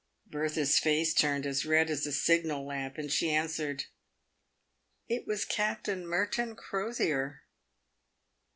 Bertha's face turned as red as a signal lamp, as she answered " it was Captain Merton Crosier."